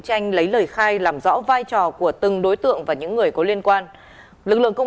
tranh lấy lời khai làm rõ vai trò của từng đối tượng và những người có liên quan lực lượng công